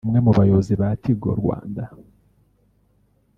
umwe mu bayobozi ba Tigo Rwanda